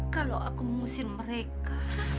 kalau aku mengusin mereka